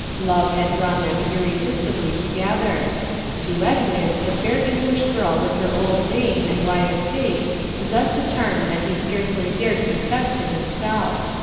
Love had drawn them irresistibly together. To Edwin the fair English girl with her old name and wide estates possessed a charm that he scarcely dared confess to himself.